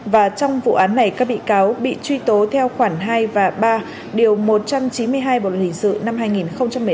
và trong vụ án này các bị cáo bị truy tố theo khoản hai và ba điều một trăm chín mươi hai bộ luật hình sự năm hai nghìn một mươi năm